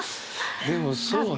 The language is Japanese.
でもそうね。